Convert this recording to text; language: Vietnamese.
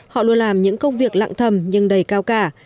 họ luôn làm những công việc lặng thầm nhưng đầy cao cả